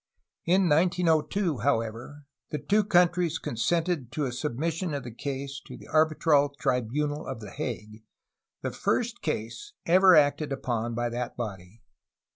In 1902, however, the two countries consented to a submission of the case to the arbitral tribunal at the Hague, — the first case ever acted upon by that body.